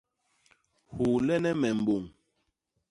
Huulene me mbôñ.